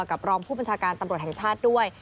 รองผู้บัญชาการตำรวจแห่งชาติด้วย